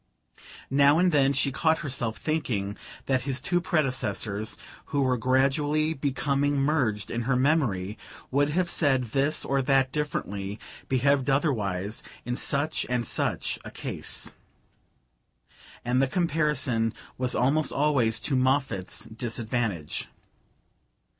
Now and then she caught herself thinking that his two predecessors who were gradually becoming merged in her memory would have said this or that differently, behaved otherwise in such and such a case. And the comparison was almost always to Moffatt's disadvantage.